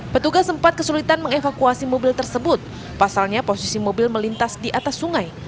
petugas sempat kesulitan mengevakuasi mobil tersebut pasalnya posisi mobil melintas di atas sungai